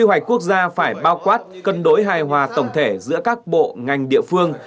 hai quốc gia phải bao quát cân đối hài hòa tổng thể giữa các bộ ngành địa phương